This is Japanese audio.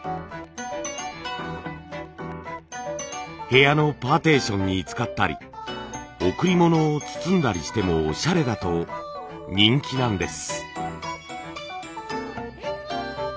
部屋のパーティションに使ったり贈り物を包んだりしてもオシャレだと人気なんです。